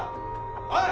おい！